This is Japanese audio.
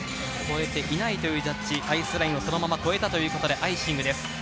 越えていないというジャッジ、アイスラインをそのまま越えたということでアイシングです。